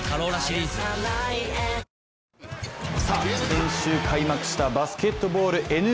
ＪＴ先週開幕したバスケットボールＮＢＡ。